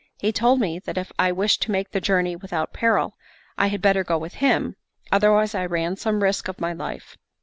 He told me that if I wished to make the journey without peril, I had better go with him, otherwise I ran some risk of my life.